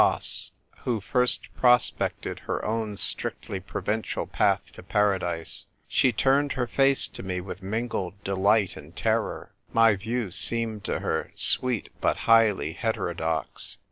Glas, who first prospected her own strictly provincial path to Paradise, she turned her face to me with mingled delight and terror. My view seemed to her sweet but highly heterodox.